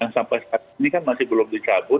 yang sampai saat ini kan masih belum dicabut